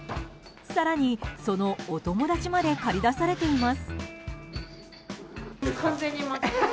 更に、そのお友達まで駆り出されています。